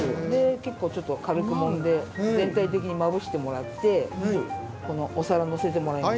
結構ちょっと軽くもんで全体的にまぶしてもらってこのお皿に載せてもらいます。